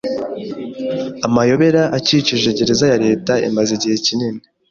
Amayobera akikije gereza ya leta imaze igihe kinini